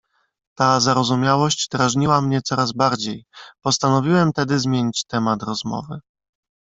"Ta zarozumiałość drażniła mnie coraz bardziej, postanowiłem tedy zmienić temat rozmowy."